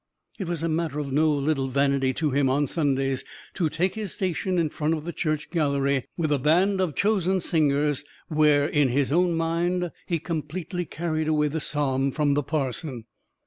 It was a matter of no little vanity to him on Sundays to take his station in front of the church gallery, with a band of chosen singers; where, in his own mind, he completely carried away the palm from the parson.